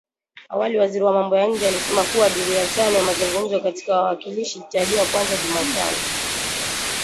Awali waziri wa mambo ya nje alisema kuwa duru ya tano ya mazungumzo kati ya wawakilishi ilitarajiwa kuanza tena Jumatano